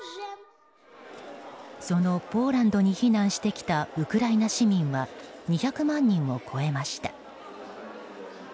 そのポーランドに避難してきたウクライナ市民は２００万人を超えました。